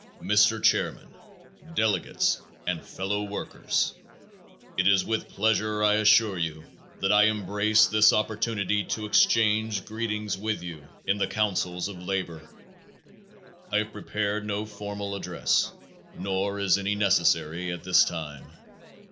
Mr. Chairman, Delegates and Fellow Workers: It is with pleasure, I assure you, that I embrace this opportunity to exchange greetings with you in the councils of labor. I have prepared no formal address, nor is any necessary at this time.